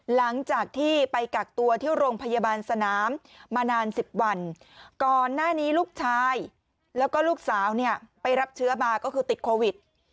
หลังจากที่ไปกักตัวที่โรงพยาบาลสนามมานาน๑๐วันก่อนหน้านี้ลูกชายแล้วก็ลูกสาวเนี่ยไปรับเชื้อมาก็คือติดโควิด